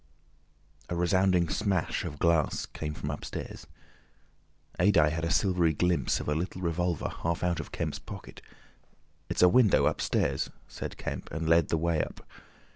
A resounding smash of glass came from upstairs. Adye had a silvery glimpse of a little revolver half out of Kemp's pocket. "It's a window, upstairs!" said Kemp, and led the way up.